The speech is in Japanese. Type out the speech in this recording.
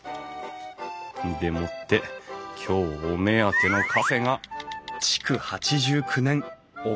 んでもって今日お目当てのカフェが。